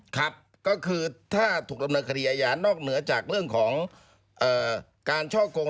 ครับก็คือถ้าถูกดำเนินคดีอาญานอกเหนือจากเรื่องของการช่อกง